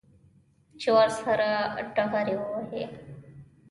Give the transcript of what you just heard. چې ورسره ډغرې ووهي.